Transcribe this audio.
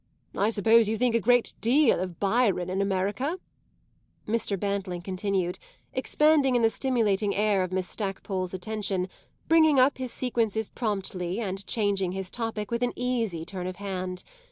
I suppose you think a great deal of Byron in America," Mr. Bantling continued, expanding in the stimulating air of Miss Stackpole's attention, bringing up his sequences promptly and changing his topic with an easy turn of hand.